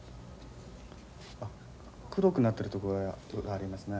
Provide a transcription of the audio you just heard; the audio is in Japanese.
あっ黒くなってるところがありますね。